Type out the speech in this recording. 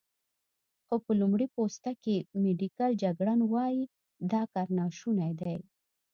خو په لمړی پوسته کې، میډیکل جګړن وايي، دا کار ناشونی دی.